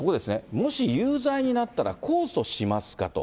もし有罪になったら、控訴しますか？と。